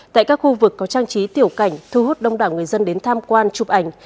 tại các khu vực có trang trí tiểu cảnh thu hút đông đảo người dân đến tham quan chụp ảnh